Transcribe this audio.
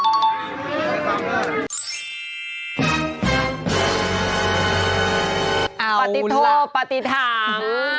ปฏิโทษปฏิฐาน